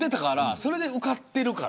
それで受かってるから。